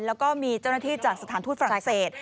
แล้วก็มีเจ้าหน้าที่จากสถานทูตฝรั่งเศส